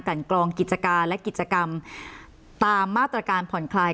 กลองกิจการและกิจกรรมตามมาตรการผ่อนคลาย